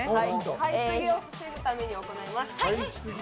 買い過ぎを防ぐために行います。